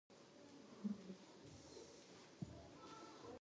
ماشوم په سوې ساه د زېري خبر راوړ.